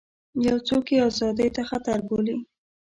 یو څوک یې ازادیو ته خطر بولي.